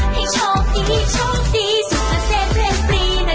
ให้โชคดีโชคดีสุขเสฟเพลงฟรีนะ